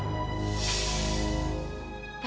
apa yang kamu lakukan